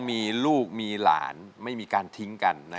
มีลูกมีหลานไม่มีการทิ้งกัน